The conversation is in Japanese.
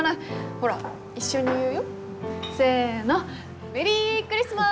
ほら一緒に言うよせのメリークリスマス！